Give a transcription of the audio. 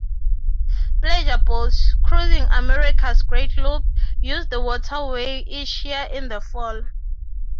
Pleasure boats, cruising America's Great Loop, use the waterway each year in the fall.